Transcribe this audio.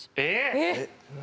えっ！